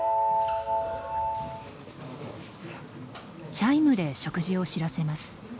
チャイムで食事を知らせます。